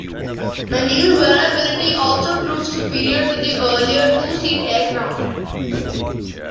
Maneuverability also proved superior to the earlier two-seat aircraft.